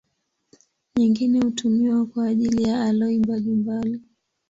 Nyingine hutumiwa kwa ajili ya aloi mbalimbali.